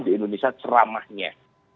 di indonesia ceramahnya